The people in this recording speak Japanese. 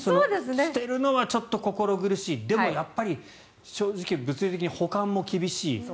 捨てるのはちょっと心苦しいでも、やっぱり正直物理的に保管も厳しい。